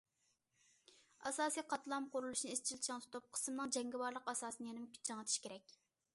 ئاساسىي قاتلام قۇرۇلۇشىنى ئىزچىل چىڭ تۇتۇپ، قىسىمنىڭ جەڭگىۋارلىق ئاساسىنى يەنىمۇ چىڭىتىش كېرەك.